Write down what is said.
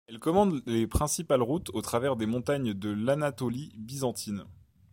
Elle commande les principales routes au travers des montagnes de l'Anatolie byzantine.